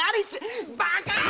バカ！